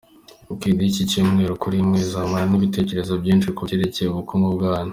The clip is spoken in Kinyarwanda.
Weekend y’iki cyumweru, kuri mwe izamarwa n’ibitekerezo byinshi ku byerekeye ubukungu bwanyu.